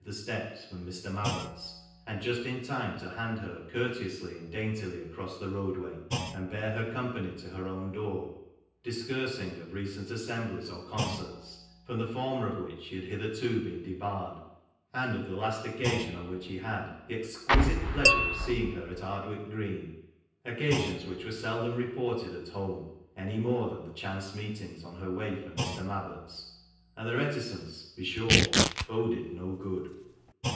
the steps from Mr. Mabbott's, and just in time to hand her courteously and daintily across the roadway, and bear her company to her own door, discoursing of recent assemblies or concerts, from the former of which she had hitherto been debarred, and of the last occasion on which he had the "exquisite pleasure of seeing her at Ardwick Green "— occasions which were seldom reported at home, any more than the chance meetings on her way from Mr. Mabbott's; and the reticence, be sure, boded no good.